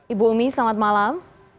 ibu umi selamat malam